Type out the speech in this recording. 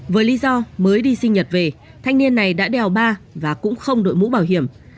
với lý do mới đi sinh nhật về thanh niên này đã đèo ba và cũng không đội mũ bảo hiểm